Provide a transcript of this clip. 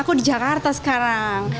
aku di jakarta sekarang